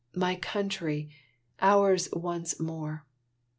my Country! ours once more!